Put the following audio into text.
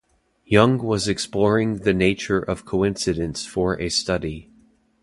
Jung was exploring the nature of coincidence for a study.